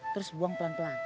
terus buang pelan pelan